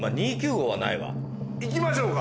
行きましょうか。